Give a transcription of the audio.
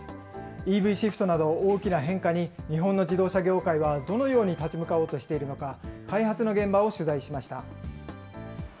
ＥＶシフトなど大きな変化に、日本の自動車業界はどのように立ち向かおうとしているのか、開発の現場を取材しました。